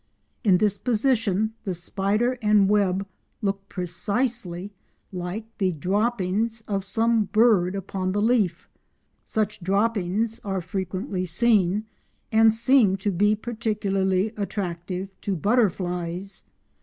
In this position the spider and web look precisely like the dropping of some bird upon the leaf; such droppings are frequently seen, and seem to be particularly attractive to butterflies.